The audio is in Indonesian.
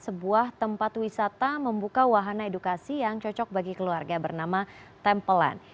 sebuah tempat wisata membuka wahana edukasi yang cocok bagi keluarga bernama tempelan